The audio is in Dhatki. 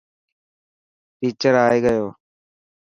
ٽيچر ائي گيو.